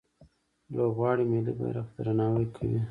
لوبغاړي ملي بیرغ ته درناوی کوي.